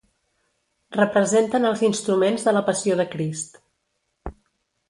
Representen els instruments de la Passió de Crist.